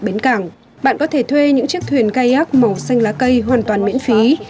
bên cẳng bạn có thể thuê những chiếc thuyền kayak màu xanh lá cây hoàn toàn miễn phí